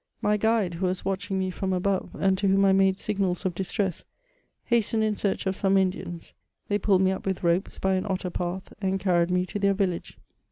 My guide, who was watching me from above, and to whom I made signals of distress, hastened in search of some Indians ; they pulled me up with ropes by an otter path, and carried me to their village.